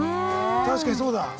確かにそうだ。